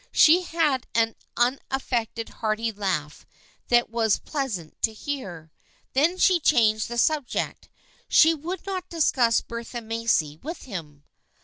She had an unaffected hearty laugh that was pleasant to hear. Then she changed the subject. She would not discuss Bertha Macy with him.